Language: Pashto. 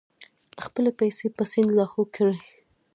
خپلې پیسې په سیند لاهو کړې.